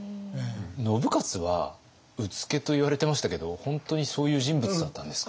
信雄は「うつけ」と言われてましたけど本当にそういう人物だったんですか？